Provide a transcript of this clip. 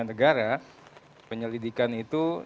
negara penyelidikan itu